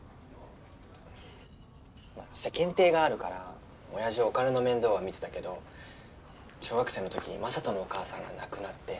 世間体があるから親父はお金の面倒は見てたけど小学生の時に雅人のお母さんが亡くなって。